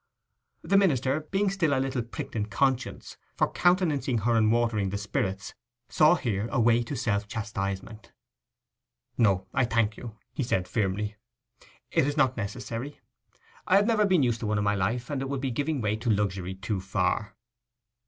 The minister, being still a little pricked in the conscience for countenancing her in watering the spirits, saw here a way to self chastisement. 'No, I thank you,' he said firmly; 'it is not necessary. I have never been used to one in my life, and it would be giving way to luxury too far.